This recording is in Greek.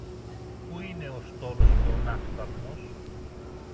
Πού είναι ο στόλος και ο ναύσταθμος;